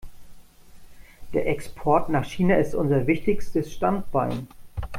Der Export nach China ist unser wichtigstes Standbein.